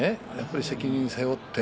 責任を背負って。